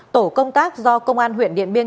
tổ công tác do công an huyện điện biên